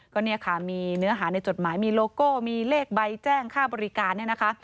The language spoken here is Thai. ก็เนี่ยค่ะมีเนื้อหาในจดหมายมีโลโก้มีเลขใบแจ้งค่าบริการเนี่ยนะคะ